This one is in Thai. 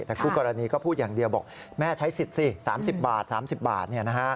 แต่คู่กรณีก็พูดอย่างเดียวบอกแม่ใช้สิทธิ์สิ๓๐บาท๓๐บาท